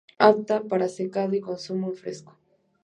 Apta para secado y consumo en fresco.